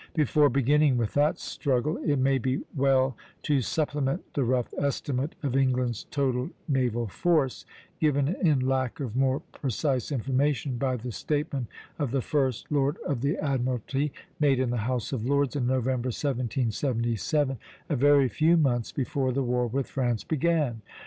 Before beginning with that struggle, it may be well to supplement the rough estimate of England's total naval force, given, in lack of more precise information, by the statement of the First Lord of the Admiralty made in the House of Lords in November, 1777, a very few months before the war with France began.